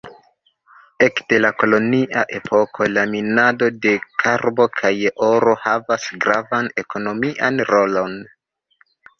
Ekde la kolonia epoko, la minado de karbo kaj oro havas gravan ekonomian rolon.